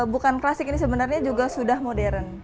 bukan klasik ini sebenarnya juga sudah modern